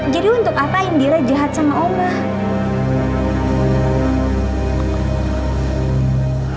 jadi untuk apa indira jahat sama omah